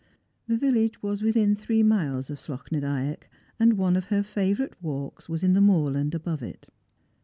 The village was within thi ee miles of Slogh na Dyack, and one of her favourite walks was in the moorland above it.